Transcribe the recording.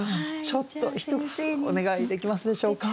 ちょっとひと節お願いできますでしょうか。